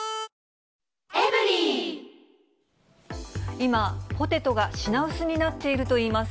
今、ポテトが品薄になっているといいます。